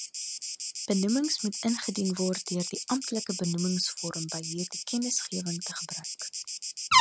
Benoemings moet ingedien word deur die Amptelike Benoemingsvorm by hierdie Kennisgewing te gebruik.